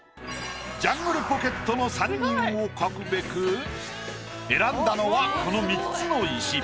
ジャングルポケットの３人を描くべく選んだのはこの３つの石。